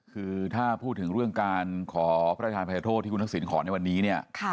คือถ้าพูดถึงเรื่องการขอพระราชทานภัยโทษที่คุณทักษิณขอในวันนี้เนี่ย